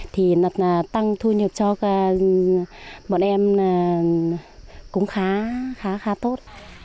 thì tăng thu nhập cho bọn em cũng khá khá tốt